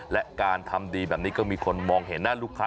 และการทำดีแบบนี้ก็มีคนมองเห็นหน้าลูกค้า